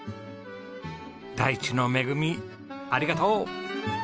大地の恵ありがとう！